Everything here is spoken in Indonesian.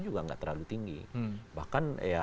juga nggak terlalu tinggi bahkan